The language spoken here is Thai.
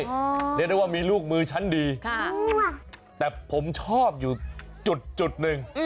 เรียกได้ว่ามีลูกมือชั้นดีค่ะแต่ผมชอบอยู่จุดจุดหนึ่ง